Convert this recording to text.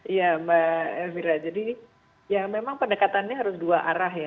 iya mbak elvira jadi ya memang pendekatannya harus dua arah ya